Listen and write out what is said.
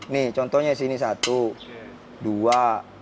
nih contohnya sini satu dua